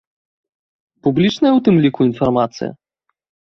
Публічная ў тым ліку інфармацыя?